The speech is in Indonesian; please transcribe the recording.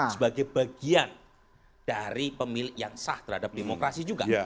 sebagai bagian dari pemilik yang sah terhadap demokrasi juga